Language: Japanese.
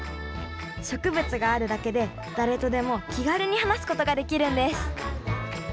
植物があるだけで誰とでも気軽に話すことができるんです